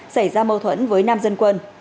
xảy ra mâu thuẫn với nam dân quân